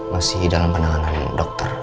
masih dalam penanganan dokter